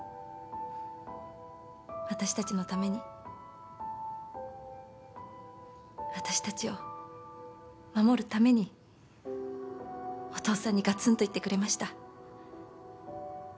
私たちのために私たちを守るためにお父さんにガツンと言ってくれました。